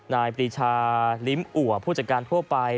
นายปรีชาลิ้มอัวผู้จัดการทั่วไป